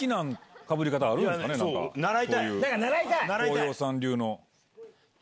耕陽さん流の。